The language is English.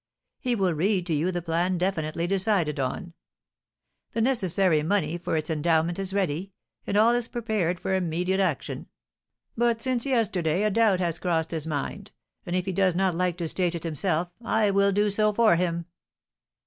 He will read to you the plan definitely decided on. The necessary money for its endowment is ready, and all is prepared for immediate action; but since yesterday a doubt has crossed his mind, and if he does not like to state it himself I will do so for him."